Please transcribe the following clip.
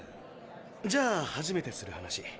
じゃあ初めてする話。